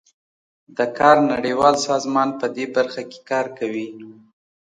د کار نړیوال سازمان پدې برخه کې کار کوي